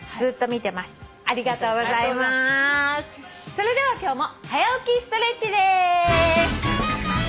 それでは今日も「はや起きストレッチ」です！